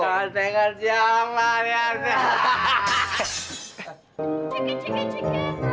kasih kasih allah ya kan